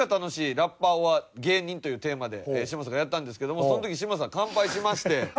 ラッパーｏｒ芸人というテーマで嶋佐がやったんですけどもその時嶋佐が完敗しまして。